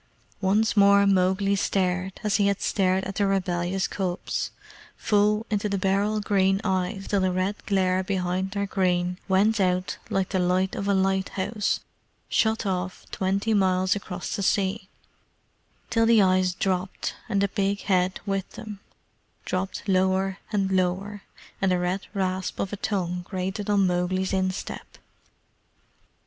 Once more Mowgli stared, as he had stared at the rebellious cubs, full into the beryl green eyes till the red glare behind their green went out like the light of a lighthouse shut off twenty miles across the sea; till the eyes dropped, and the big head with them dropped lower and lower, and the red rasp of a tongue grated on Mowgli's instep.